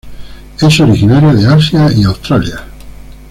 Es originaria de Asia y Australia.